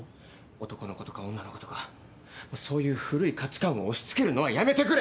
男の子とか女の子とかそういう古い価値観を押し付けるのはやめてくれ！